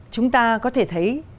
chúng ta có thể thấy